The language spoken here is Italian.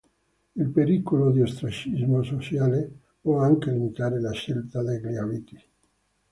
Il pericolo di ostracismo sociale può anche limitare la scelta degli abiti.